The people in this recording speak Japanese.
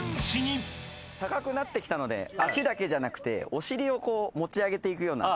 高くなってきたので足だけじゃなくてお尻を持ち上げていくような。